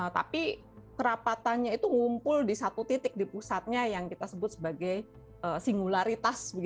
tapi kerapatannya itu ngumpul di satu titik di pusatnya yang kita sebut sebagai simularitas